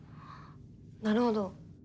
なるほど。